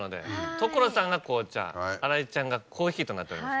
所さんが紅茶新井ちゃんがコーヒーとなっております。